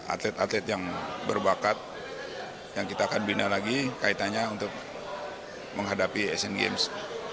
atlet atlet yang berbakat yang kita akan bina lagi kaitannya untuk menghadapi asean games dua ribu delapan belas